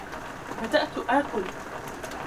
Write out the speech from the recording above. بدأت آكل.